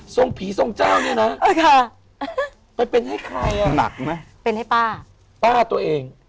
ทรงผีทรงเจ้านี่น่ะเออค่ะแต่เป็นให้ใครอ่ะหนักน่ะเป็นให้ป้าป้าตัวเอง